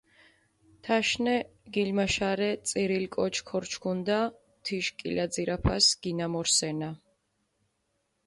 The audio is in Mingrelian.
თაშნე, გილმაშარე წირილ კოჩი ქორჩქუნდა, თიშ კილაძირაფას გინამორსენა.